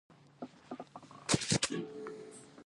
افغانستان کې د چرګانو په اړه زده کړه کېږي.